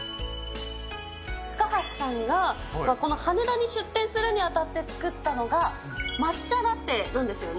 高橋さんがこの羽田に出店するにあたって作ったのが、抹茶ラテなんですよね。